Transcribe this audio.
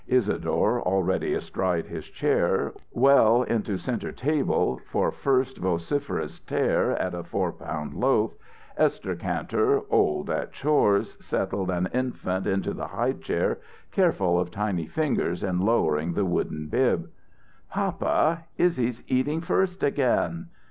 Isadore, already astride his chair, well into center table, for first vociferous tear at the four pound loaf; Esther Kantor, old at chores, settled an infant into the high chair, careful of tiny fingers in lowering the wooden bib. "Papa, Izzy's eating first again."